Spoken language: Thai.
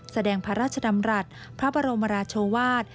แสดงพระราชดำรัฐพระบรมราชวาส